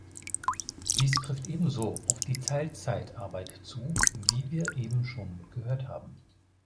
Dies trifft ebenso auf die Teilzeitarbeit zu, wie wir eben schon gehört haben.